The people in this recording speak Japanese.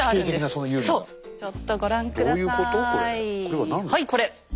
はいこれ！